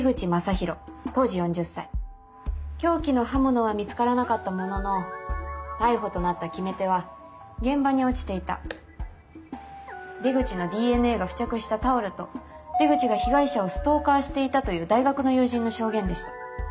凶器の刃物は見つからなかったものの逮捕となった決め手は現場に落ちていた出口のＤＮＡが付着したタオルと出口が被害者をストーカーしていたという大学の友人の証言でした。